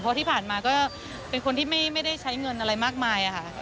เพราะที่ผ่านมาก็เป็นคนที่ไม่ได้ใช้เงินอะไรมากมายค่ะ